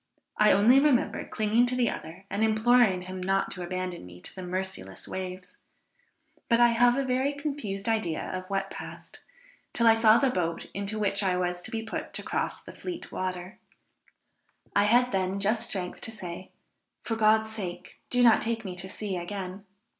I only remember clinging to the other and imploring him not to abandon me to the merciless waves. But I have a very confused idea of what passed, till I saw the boat, into which I was to be put to cross the Fleet water; I had then just strength to say, "For God's sake do not take me to sea again."